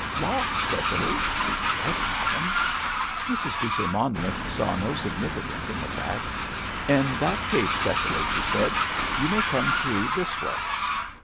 "Locked, Cecily?" "Yes, madame." Mrs. Beecher Monmouth saw no significance in the fact. "In that case, Cecily," she said, "you may come through this way."